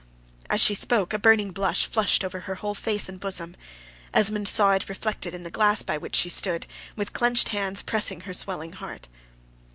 As she spoke a burning blush flushed over her whole face and bosom. Esmond saw it reflected in the glass by which she stood, with clenched hands, pressing her swelling heart.